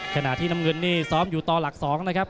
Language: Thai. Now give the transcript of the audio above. ขณะที่น้ำเงินนี่ซ้อมอยู่ต่อหลัก๒นะครับ